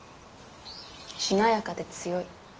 しなやかで強い。